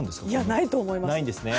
ないと思います。